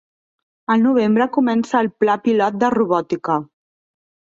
Al novembre comença el pla pilot de robòtica.